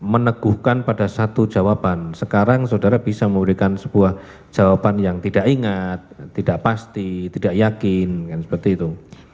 meneguhkan pada satu jawaban sekarang saudara bisa memberikan sebuah jawaban yang tidak ingat tidak pasti tidak yakin kan seperti itu